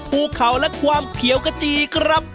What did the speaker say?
ภูเขาและความเขียวกระจีครับ